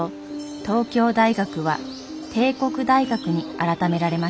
東京大学は帝国大学に改められました。